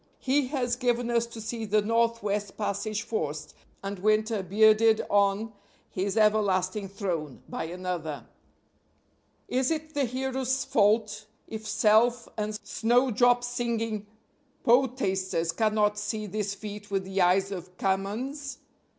He has given us to see the northwest passage forced, and winter bearded on his everlasting throne, by another. (Is it the hero's fault if self and snowdrop singing poetasters cannot see this feat with the eyes of Camoens?)